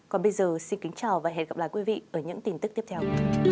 còn bây giờ xin kính chào và hẹn gặp lại quý vị ở những tin tức tiếp theo